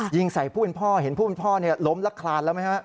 ยิงใส่ผู้เป็นพ่อเห็นผู้เป็นพ่อล้มแล้วคลานแล้วไหมฮะ